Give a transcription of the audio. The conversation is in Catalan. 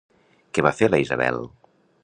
Què va fer la Isabel?